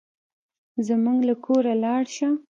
زموږ له کوره لاړ شه.